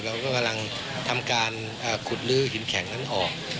เราก็กำลังทำการขุดลื้อหินแข็งนั้นออก